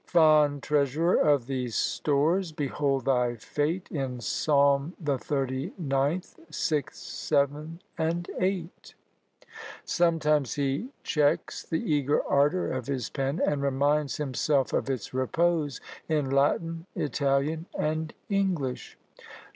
Fond treasurer of these stores, behold thy fate In Psalm the thirty ninth, 6, 7, and 8. Sometimes he checks the eager ardour of his pen, and reminds himself of its repose, in Latin, Italian, and English.